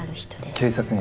警察には？